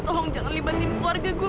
tolong jangan libatin keluarga gue